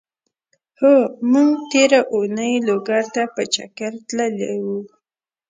هو! مونږ تېره اونۍ لوګر ته په چګر تللی وو.